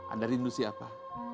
anda rindu siapa